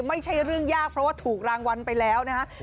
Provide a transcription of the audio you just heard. ไม่ใช่เรื่องยากเพราะว่าถูกรางวัลไปแล้วนะฮะ